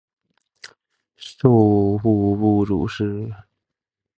授户部主事。